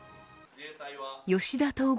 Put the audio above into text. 吉田統合